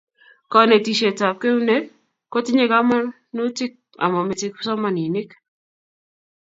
konetisietab eunek kotinye kamanutik amamache kipsomaninik